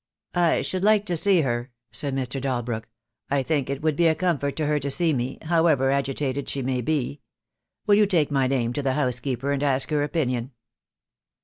"I should like to see her," said Mr. Dalbrook. "I think it would be a comfort to her to see me, however agitated she may be. Will you take my name to the housekeeper, and ask her opinion?"